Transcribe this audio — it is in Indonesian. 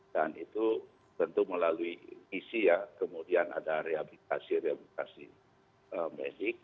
dan itu tentu melalui isi ya kemudian ada rehabilitasi rehabilitasi medik